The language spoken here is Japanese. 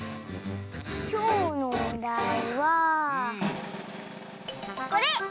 きょうのおだいはこれ！